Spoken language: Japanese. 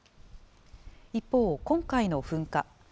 一方、今回の噴火。